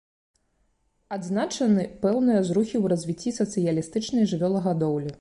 Адзначаны пэўныя зрухі ў развіцці сацыялістычнай жывёлагадоўлі.